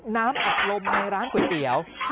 น้ำอัดลมในร้านก๋วยเตี๋ยว